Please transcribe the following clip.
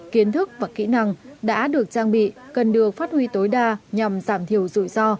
kiến thức và kỹ năng đã được trang bị cần được phát huy tối đa nhằm giảm thiểu rủi ro